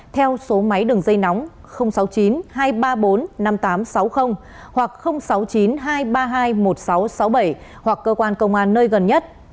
theo số máy đường dây nóng sáu mươi chín hai trăm ba mươi bốn năm nghìn tám trăm sáu mươi hoặc sáu mươi chín hai trăm ba mươi hai một nghìn sáu trăm sáu mươi bảy hoặc cơ quan công an nơi gần nhất